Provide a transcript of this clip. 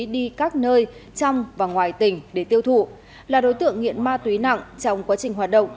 đi các nơi trong và ngoài tỉnh để tiêu thụ là đối tượng nghiện ma túy nặng trong quá trình hoạt động